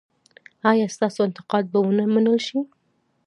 ایا ستاسو انتقاد به و نه منل شي؟